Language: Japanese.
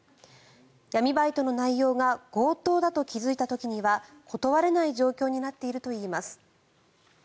闇バイトの内容が強盗だと気付いた時には断れない状況になっているといいます。